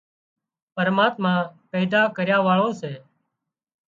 پرماتما پيدا ڪريا واۯو سي